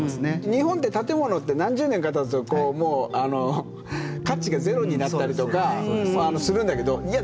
日本って建物って何十年かたつとこう価値がゼロになったりとかするんだけどいや